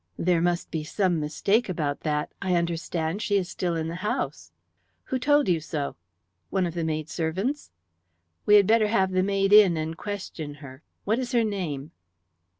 "There must be some mistake about that. I understand she is still in the house." "Who told you so?" "One of the maidservants." "We had better have the maid in and question her. What is her name?"